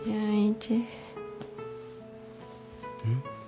うん？